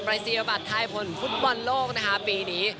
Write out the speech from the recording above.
ไปรเซียบัตรไทยผลฟุตบอลโลฟนะคะปีนี้